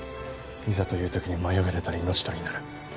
いざという時に迷いが出たら命取りになる。